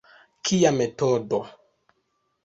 Kia metodo!